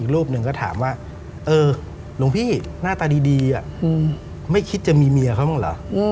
รูปหนึ่งก็ถามว่าเออหลวงพี่หน้าตาดีไม่คิดจะมีเมียเขาบ้างเหรอ